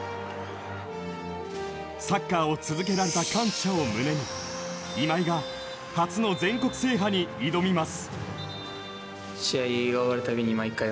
サッカーを続けられた感謝を胸に今井が初の全国制覇に挑みます。